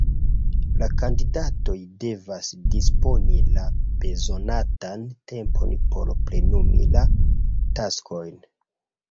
La kandidatoj devas disponi la bezonatan tempon por plenumi la taskojn.